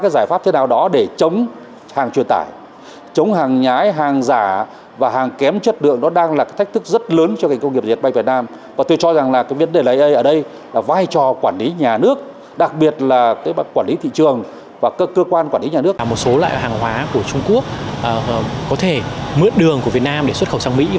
điều này có thể mướt đường của việt nam để xuất khẩu sang mỹ